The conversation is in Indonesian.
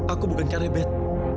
aku bukan karebet